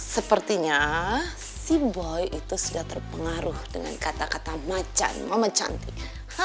sepertinya si boy itu sudah terpengaruh dengan kata kata macan mama cantik